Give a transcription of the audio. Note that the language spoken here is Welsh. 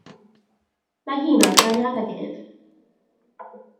Mae hi mewn cariad ag ef.